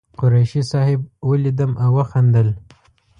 قریشي صاحب ولیدم او وخندل.